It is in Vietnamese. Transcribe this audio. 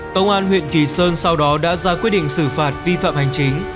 công an huyện kỳ sơn sau đó đã ra quyết định xử phạt vi phạm hành chính